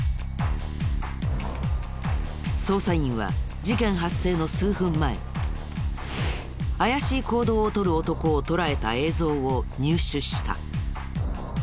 捜査員は事件発生の数分前怪しい行動をとる男を捉えた映像を入手した。